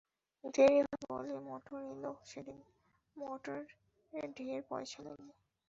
দেরি হল বলে মটর এল সেদিন, মটরে ঢের পয়সা লাগে।